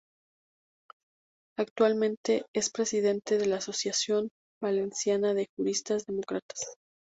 Actualmente es presidente de la Asociación Valenciana de Juristas Demócratas.